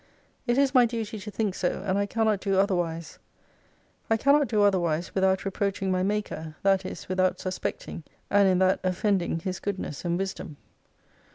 It is my duty to think so, and I cannot do otherwise. I cannot do otherwise without reproaching my Maker : that is, without suspecting, and in that offending His goodness and Wisdom.